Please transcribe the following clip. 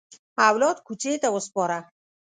اولاد کوڅې ته وسپاره.